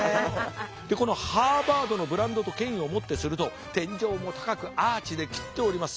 このハーバードのブランドと権威をもってすると天井も高くアーチで切っております。